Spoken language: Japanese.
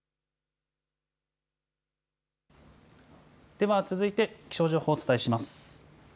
では続いて気象情報、お伝えします。